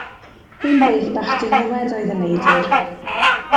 Hen beth bach diniwed oedd y neidr.